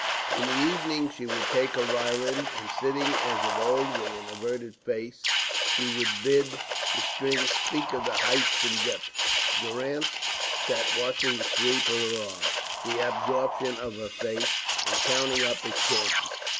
In the evenings she would take her violin, and sitting as of old with an averted face, she would bid the strings speak of the heights and depths. Durrance sat watching the sweep of her arm, the absorption of her face, and counting up his chances.